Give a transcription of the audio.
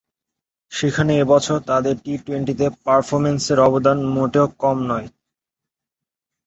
সেখানে এ বছর তাঁদের টি টোয়েন্টিতে পারফরম্যান্সের অবদান মোটেও কম নয়।